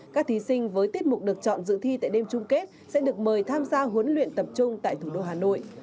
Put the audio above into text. các thí sinh với tiết mục được chọn dự thi tại đêm chung kết sẽ được mời tham gia huấn luyện tập trung tại thủ đô hà nội